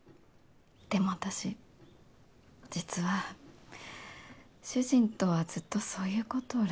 でも私実は主人とはずっとそういうことレスで。